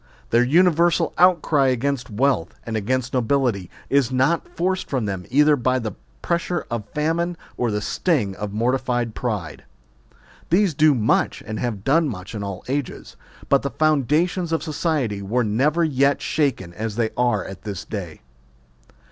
Their universal outcry against wealth, and against nobility, is not forced from them either by the pressure of famine or the sting of mortified pride. These do much and have done much in all ages ; but the foundations of society were never yet shaken as they are at this day.